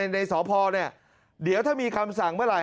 ในสอพอเดี๋ยวถ้ามีคำสั่งเมื่อไหร่